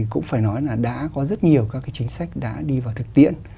cũng phải nói là đã có rất nhiều các chính sách đã đi vào thực tiện